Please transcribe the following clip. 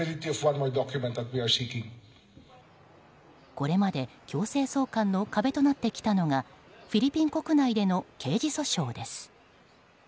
これまで強制送還の壁となってきたのがフィリピン国内での刑事訴訟です。